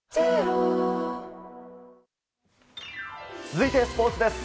続いて、スポーツです。